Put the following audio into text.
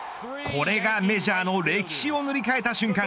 これがメジャーの歴史を塗り替えた瞬間